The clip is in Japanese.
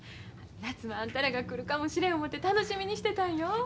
夏もあんたらが来るかもしれん思て楽しみにしてたんよ。